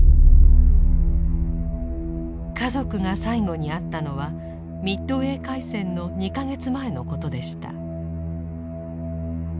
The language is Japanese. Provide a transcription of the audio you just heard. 家族が最後に会ったのはミッドウェー海戦の２か月前のことでした。